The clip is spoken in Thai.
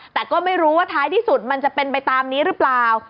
แต่ก็ไม่รู้ว่าท้ายที่สุดมันจะเป็นไปตามนี้หรือเปล่า